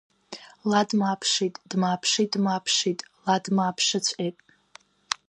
Ла дмааԥшит, дмааԥшит, дмааԥшит, ла дмааԥшыҵәҟьеит.